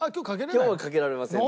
今日はかけられませんので。